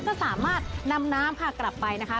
ก็สามารถนำน้ำค่ะกลับไปนะคะ